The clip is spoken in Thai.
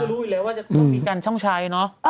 ก็รู้อยู่แล้วว่าต้องมีกันต้องใช้เนอะ